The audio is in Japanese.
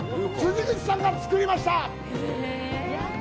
辻口さんが作りました。